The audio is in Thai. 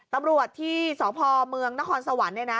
ตำรวจที่สพเมืองนครสวรรค์เนี่ยนะ